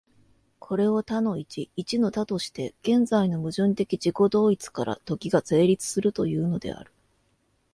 これを多の一、一の多として、現在の矛盾的自己同一から時が成立するというのである。